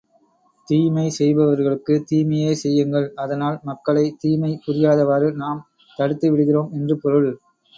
தீமை செய்பவர்களுக்கு தீமையே செய்யுங்கள், அதனால், மக்களை தீமை புரியாதவாறு நாம் தடுத்து விடுகிறோம் என்று பொருள்!